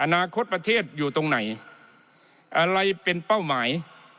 อนาคตประเทศอยู่ตรงไหนอะไรเป็นเป้าหมาย